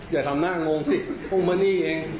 อย่าทำหน้างงสิพุ่งมานี่เอง